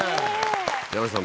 山下さん